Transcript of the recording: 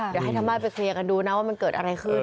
เดี๋ยวให้ทางบ้านไปเคลียร์กันดูนะว่ามันเกิดอะไรขึ้น